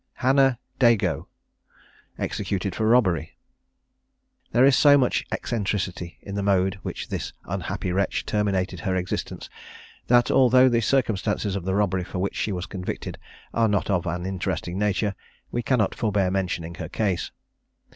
HANNAH DAGOE. EXECUTED FOR ROBBERY. There is so much eccentricity in the mode in which this unhappy wretch terminated her existence, that, although the circumstances of the robbery for which she was convicted are not of an interesting nature, we cannot forbear mentioning her case.